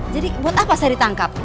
jadi buat apa saya ditangkap